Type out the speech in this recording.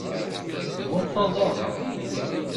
Tɣunfaḍ-aɣ?